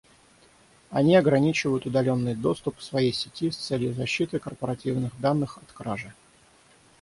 Они ограничивают удаленный доступ к своей сети с целью защиты корпоративных данных от кражи